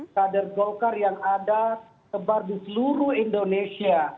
kader golkar yang ada sebar di seluruh indonesia